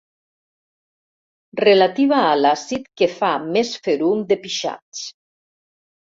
Relativa a l'àcid que fa més ferum de pixats.